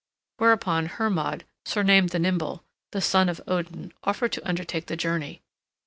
Whereupon Hermod, surnamed the Nimble, the son of Odin, offered to undertake the journey.